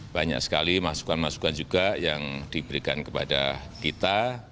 banyak sekali masukan masukan juga yang diberikan kepada kita